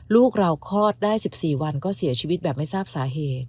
ลูกเราคลอดได้๑๔วันก็เสียชีวิตแบบไม่ทราบสาเหตุ